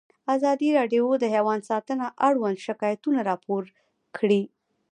ازادي راډیو د حیوان ساتنه اړوند شکایتونه راپور کړي.